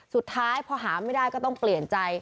สุดท้ายพอหาไม่ได้ก็ต้องเปลี่ยนใจ